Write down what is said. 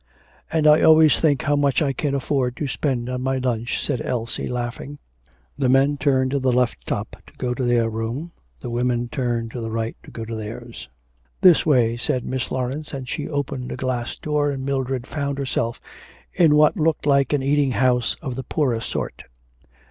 'And I always think how much I can afford to spend on my lunch,' said Elsie laughing. The men turned to the left top to go to their room, the women turned to the right to go to theirs. 'This way,' said Miss Laurence, and she opened a glass door, and Mildred found herself in what looked like an eating house of the poorer sort.